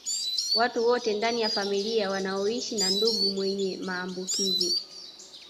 Watu wote ndani ya familia wanaoshi na ndugu mwenye maambukizi